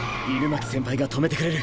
狗巻先輩が止めてくれる。